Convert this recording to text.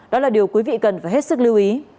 đó là điều quý vị cần phải hết sức lưu ý